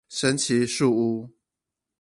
神奇樹屋